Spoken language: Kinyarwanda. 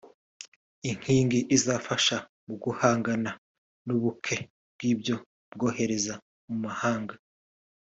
nk’inkingi izafasha mu guhangana n’ubuke bw’ibyo rwohereza mu mahanga